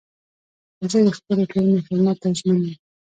زه د خپلي ټولني خدمت ته ژمن یم.